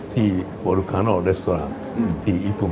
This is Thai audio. ที่โบรกาโน่เดสโทรแหลมที่ญี่ปุ่น